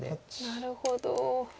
なるほど。